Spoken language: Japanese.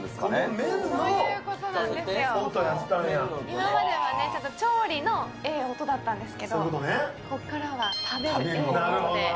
今までは調理のええ音だったんですけれど、ここからは食べるええ音。